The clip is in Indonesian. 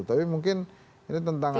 tapi mungkin ini tentang